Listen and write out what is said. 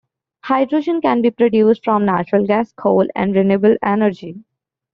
Hydrogen can be produced from natural gas, coal and renewable energy.